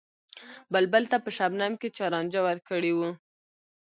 بلبل ته په شبنم کــــې چا رانجه ور کـــړي وو